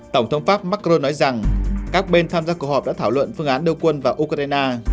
tổng thống pháp macron nói rằng các bên tham gia cuộc họp đã thảo luận phương án đưa quân vào ukraine